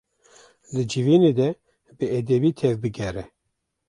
Di civînê de bi edebî tevbigere.